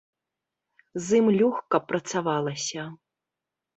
З ім лёгка працавалася.